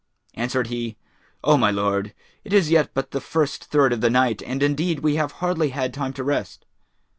Answered he, 'O my lord, it is yet but the first third of the night and indeed we have hardly had time to rest.'